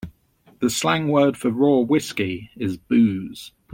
The slang word for raw whiskey is booze.